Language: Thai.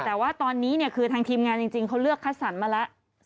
แต่ว่าตอนนี้เนี่ยคือทางทีมงานจริงเขาเลือกคัดสรรมาแล้ว